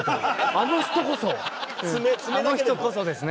あの人こそですね。